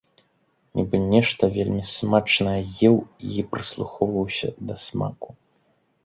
Нібы нешта вельмі смачнае еў і прыслухоўваўся да смаку.